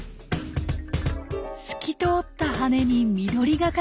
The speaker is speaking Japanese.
透き通った羽に緑がかった体。